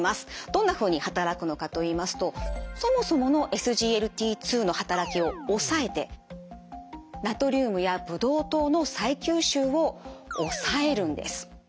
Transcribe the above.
どんなふうに働くのかと言いますとそもそものＳＧＬＴ２の働きを抑えてナトリウムやブドウ糖の再吸収を抑えるんです。